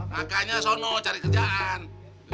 makanya sono cari kerjaan